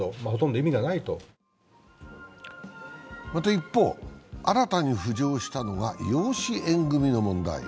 一方、新たに浮上したのが養子縁組の問題。